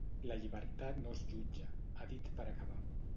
La llibertat no es jutja, ha dit per acabar.